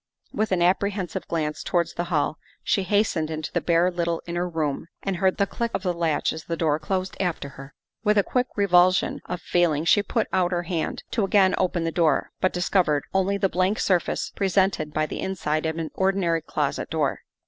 With an apprehensive glance towards the hall she hastened into the bare little inner room and heard the click of the latch as the door closed after her. With a quick revulsion of feeling she put out her hand to again open the door, but discovered only the blank surface presented by the inside of an ordinary closet door.